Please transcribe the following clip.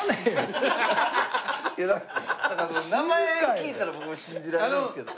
名前を聞いたら僕も信じられるんですけど。